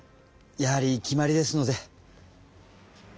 やはり決まりですので。